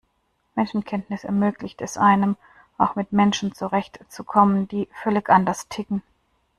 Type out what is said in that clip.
Menschenkenntnis ermöglicht es einem, auch mit Menschen zurecht zu kommen, die völlig anders ticken.